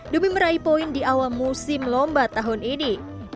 demi meraih poin di awal musim lomba tahun ini